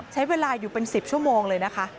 ใช้เวลาอยู่เป็น๑๐ชั่วโมงเลยนะคะ